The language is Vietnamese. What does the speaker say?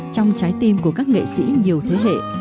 trong trái tim của các nghệ sĩ nhiều thế hệ